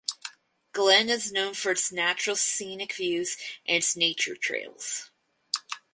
Glen is known for its natural scenic views and its nature trails.